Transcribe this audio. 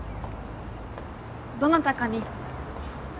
どなたかに？